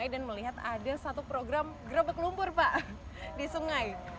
dan melihat ada satu program gerobot lumpur pak di sungai